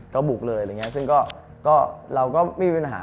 ก็บุกเลยอะไรอย่างนี้ซึ่งก็เราก็ไม่มีปัญหา